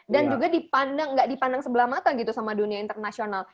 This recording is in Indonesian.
dan juga dipandang nggak dipandang sebelah mata gitu sama dunia internasional